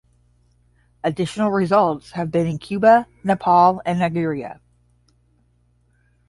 Additional results have been in Cuba, Nepal, and Nigeria.